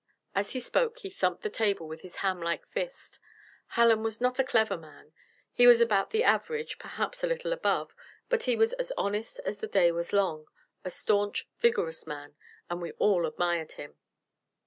As he spoke he thumped the table with his hamlike fist. Hallen was not a clever man. He was about the average, perhaps a little above; but he was as honest as the day was long a staunch, vigorous man and we all admired him.